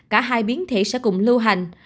cả hai biến thể sẽ cùng lưu hành